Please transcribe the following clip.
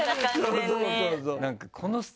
そうそうそうそう。